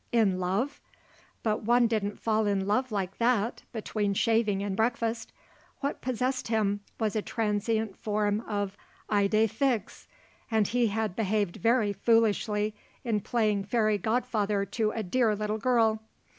In love? But one didn't fall in love like that between shaving and breakfast. What possessed him was a transient form of idée fixe, and he had behaved very foolishly in playing fairy godfather to a dear little girl.